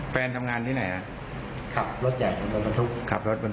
พาลูกไปด้วย